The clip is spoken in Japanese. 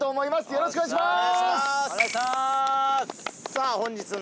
よろしくお願いします。